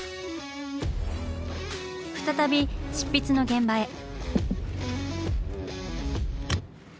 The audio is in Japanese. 再び執筆の現場へ。